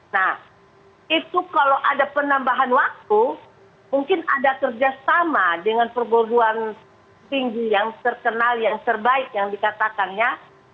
nah itu kalau ada penambahan waktu mungkin ada kerjasama dengan perguruan tinggi yang terkenal yang terbaik yang dikatakannya